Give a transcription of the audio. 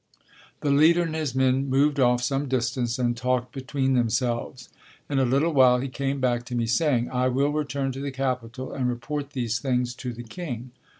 The leader and his men moved off some distance and talked between themselves. In a little while he came back to me saying, "I will return to the capital and report these things to the king."